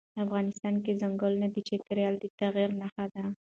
افغانستان کې ځنګلونه د چاپېریال د تغیر نښه ده.